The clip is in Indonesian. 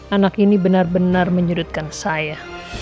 anak ini bener bener menyudutkan saya